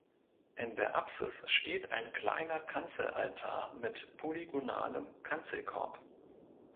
In der Apsis steht ein kleiner Kanzelaltar mit polygonalem Kanzelkorb.